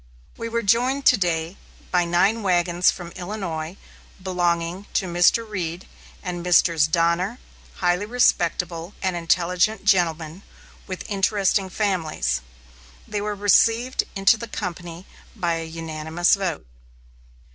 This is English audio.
We were joined to day by nine wagons from Illinois belonging to Mr. Reed and Messrs. Donner, highly respectable and intelligent gentlemen with interesting families. They were received into the company by a unanimous vote.